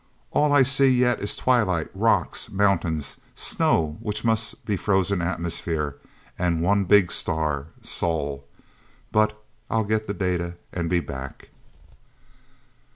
All I see, yet, is twilight, rocks, mountains, snow which must be frozen atmosphere and one big star, Sol. But I'll get the data, and be back..."